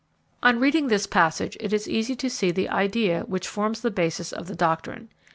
On reading this passage it is easy to see the idea which forms the basis of the doctrine.